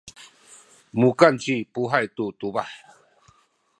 mukan ci Puhay tu tubah.